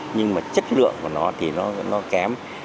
nhưng mà chất lượng của nó thì nó kém